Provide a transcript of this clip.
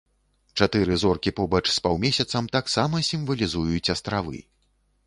Чатыры зоркі побач з паўмесяцам таксама сімвалізуюць астравы.